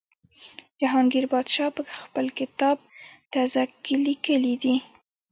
جهانګیر پادشاه په خپل کتاب تزک کې لیکلي دي.